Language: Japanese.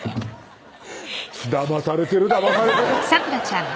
「だまされてるだまされてる！」